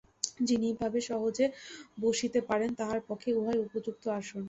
যিনি যেভাবে সহজে বসিতে পারেন, তাঁহার পক্ষে উহাই উপযুক্ত আসন।